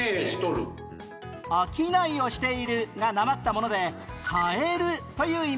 「商いをしている」がなまったもので「買える」という意味合い